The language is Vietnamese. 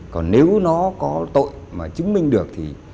còn nếu nó có tội mà chứng minh được thì